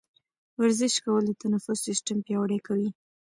ورزش کول د تنفس سیستم پیاوړی کوي.